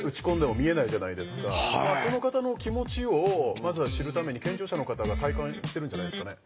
その方の気持ちをまずは知るために健常者の方が体感してるんじゃないですかね。